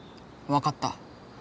わかった。